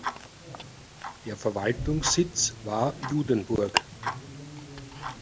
Der Verwaltungssitz war Judenburg.